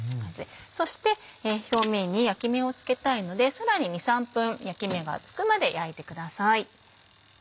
そして表面に焼き目をつけたいのでさらに２３分焼き目がつくまで焼いてください。